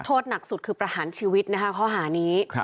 โทษหนักสุดคือประหารชีวิตนะคะข้อหานี้